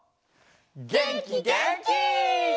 げんきげんき！